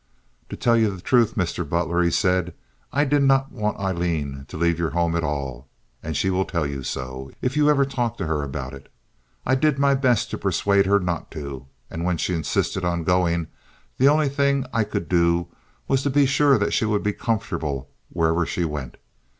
"To tell you the truth, Mr. Butler," he said, "I did not want Aileen to leave your home at all; and she will tell you so, if you ever talk to her about it. I did my best to persuade her not to, and when she insisted on going the only thing I could do was to be sure she would be comfortable wherever she went.